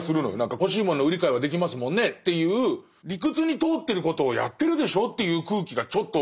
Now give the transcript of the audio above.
「欲しい物の売り買いはできますもんね」っていう「理屈に通ってることをやってるでしょ」という空気がちょっと。